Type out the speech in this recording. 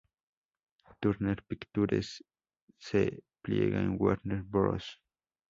Turner Pictures se pliega en Warner Bros.